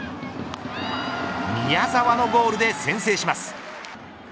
宮澤のゴールで先制します。